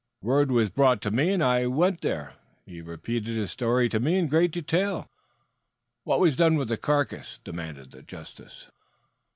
Word was brought to me and I went there. He repeated his story to me in great detail." "What was done with the carcass?" demanded the justice.